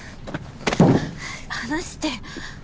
離して。